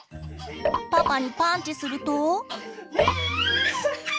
パパにパンチすると。